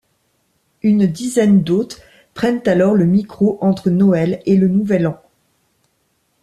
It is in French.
Une dizaine d'hôtes prennent alors le micro entre Noël et le Nouvel An.